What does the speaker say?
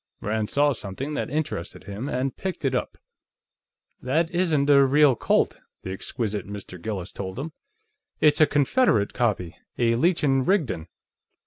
Rand saw something that interested him, and picked it up. "That isn't a real Colt," the exquisite Mr. Gillis told him. "It's a Confederate copy; a Leech & Rigdon."